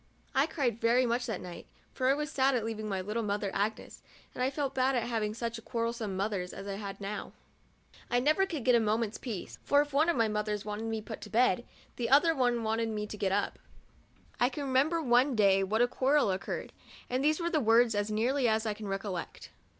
I cried very much that night, for I was sad at leaving my little mother Agnes, and I felt bad at having such quar relsome mothers as I now had. I never could get a moment's peace, for if one of 48 MEMOIRS OF A my mothers wanted me put to bed, the other one wanted me to get up. I can remember one day what a quarrel occur red, and these were the words, as nearly as I can recollect.